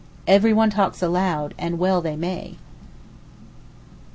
Everyone talks aloud—and well they may.